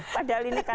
padahal ini kan